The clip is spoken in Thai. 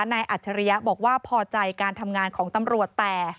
อัจฉริยะบอกว่าพอใจการทำงานของตำรวจแต่